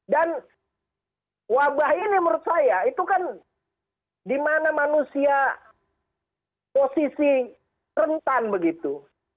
dan wabah ini menurut saya itu kan dimana manusia posisi rentan begitu